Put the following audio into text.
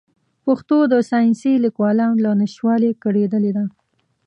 پښتو د ساینسي لیکوالانو له نشتوالي کړېدلې ده.